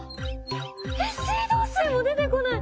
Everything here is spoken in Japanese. えっ水道水も出てこない！